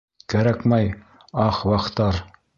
Кәрәкмәй аһ-ваһтар!